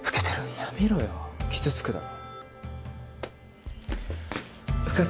やめろよ傷つくだろ深瀬